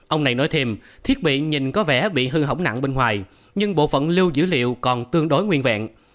ông này nói thêm thiết bị nhìn có vẻ bị hư hỏng nặng bên ngoài nhưng bộ phận lưu dữ liệu còn tương đối nguyên vẹn